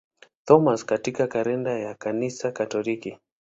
Thomas katika kalenda ya Kanisa Katoliki.